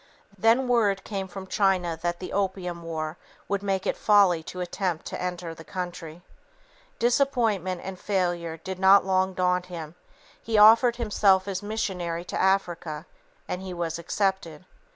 Then word came from China that the "opium war" would make it folly to attempt to enter the country. Disappointment and failure did not long daunt him; he offered himself as missionary to Africa, and he was accepted.